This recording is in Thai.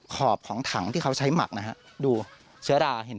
ขอบของถังที่เขาใช้หมักนะครับ